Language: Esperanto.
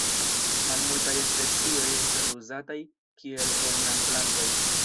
Malmultaj specioj estas uzataj kiel ornamplantoj.